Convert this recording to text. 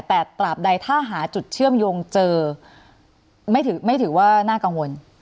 แต่ตราบใดถ้าหาจุดเชื่อมโยงเจอไม่ถือว่าน่ากังวล